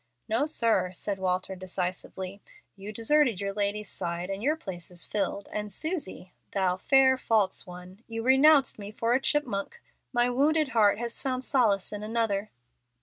"No, sir," said Walter, decisively. "You deserted your lady's side and your place is filled; and Susie "'Thou fair, false one,' you renounced me for a chipmonk. My wounded heart has found solace in another."